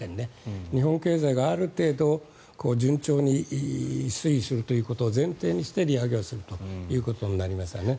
日本経済が、ある程度順調に推移するということを前提にして利上げをするということになりますね。